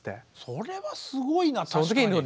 それはすごいな確かに。